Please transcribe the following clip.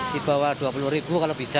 di bawah rp dua puluh kalau bisa